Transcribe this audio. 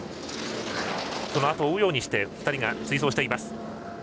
その後を追うようにして２人が追走しています。